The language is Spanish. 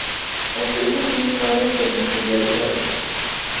El Cristo tiene un par de peculiaridades.